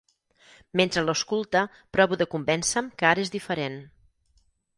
Mentre l'ausculta provo de convènce'm que ara és diferent.